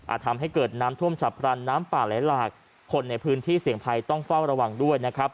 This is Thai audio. ทำให้เกิดน้ำท่วมฉับพลันน้ำป่าไหลหลากคนในพื้นที่เสี่ยงภัยต้องเฝ้าระวังด้วยนะครับ